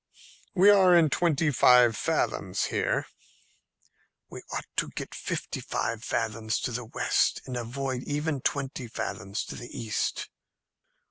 "We are in twenty five fathoms here." "We ought to get into fifty five fathoms to the west, and avoid even twenty fathoms to the east."